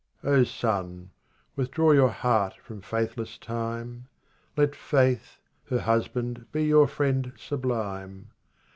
35 son, withdraw your heart from faithless Time.* Let Faith, her husband, be your friend sublime.